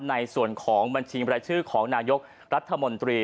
ในส่วนของบัญชีบรายชื่อของนายกรัฐมนตรี